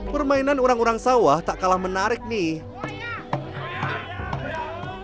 permainan orang orang sawah tak kalah menarik nih